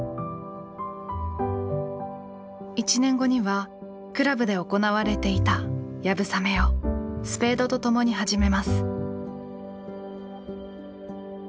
１年後には倶楽部で行われていた流鏑馬をスペードと共に始めます。